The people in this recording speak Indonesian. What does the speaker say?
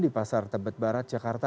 di pasar tebet barat jakarta